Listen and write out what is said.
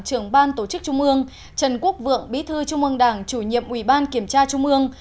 trưởng ban tổ chức trung ương trần quốc vượng bí thư trung ương đảng chủ nhiệm ủy ban kiểm tra trung ương